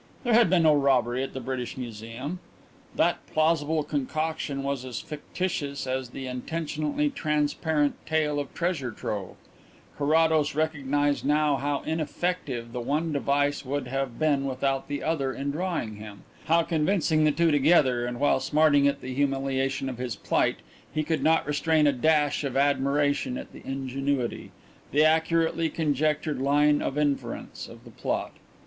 There had been no robbery at the British Museum! That plausible concoction was as fictitious as the intentionally transparent tale of treasure trove. Carrados recognized now how ineffective the one device would have been without the other in drawing him how convincing the two together and while smarting at the humiliation of his plight he could not restrain a dash of admiration at the ingenuity the accurately conjectured line of inference of the plot.